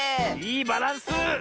いいバランス！